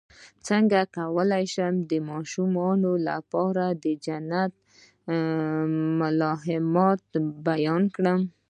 څنګه کولی شم د ماشومانو لپاره د جنت محلات بیان کړم